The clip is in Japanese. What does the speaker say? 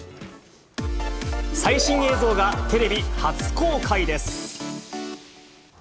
最新映像がテレビ初公開です。